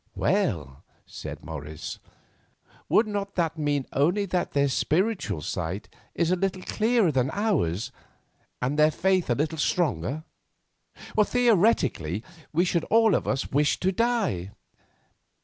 "Well," said Morris, "would not that mean only that their spiritual sight is a little clearer than ours, and their faith a little stronger? Theoretically, we should all of us wish to die."